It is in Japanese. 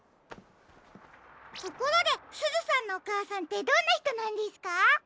ところですずさんのおかあさんってどんなひとなんですか？